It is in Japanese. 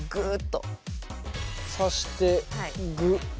挿してグッ。